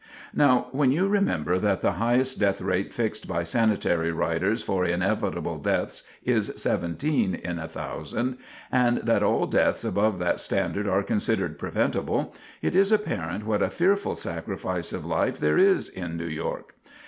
Now, when you remember that the highest death rate fixed by sanitary writers for inevitable deaths is 17 in 1,000, and that all deaths above that standard are considered preventable, it is apparent what a fearful sacrifice of life there is in New York.